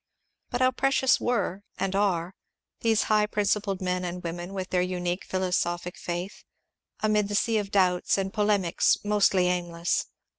But how precious were, and are, these high principled men and women, with their unique philosophic faith, amid the sea of doubts and polemics mostly aimless